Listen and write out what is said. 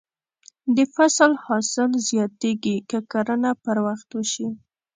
د فصل حاصل زیاتېږي که کرنه پر وخت وشي.